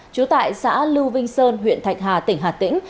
trú tại xã lưu vinh sơn huyện thạch hà tỉnh hà tĩnh